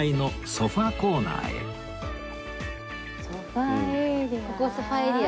ソファエリア？